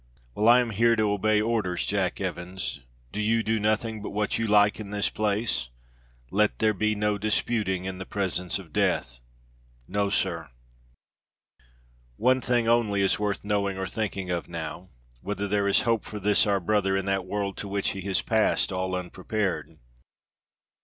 "Well, I am here to obey orders, Jack Evans; do you do nothing but what you like in this place?" "Let there be no disputing in presence of death!" "No, sir." "One thing only is worth knowing or thinking of now; whether there is hope for this our brother in that world to which he has passed all unprepared.